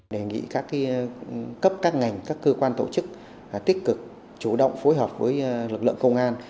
đề nghị các cấp các ngành các cơ quan tổ chức tích cực chủ động phối hợp với lực lượng công an